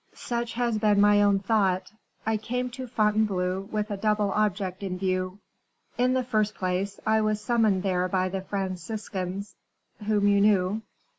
"Such has been my own thought. I came to Fontainebleau with a double object in view. In the first place, I was summoned there by the Franciscan whom you knew.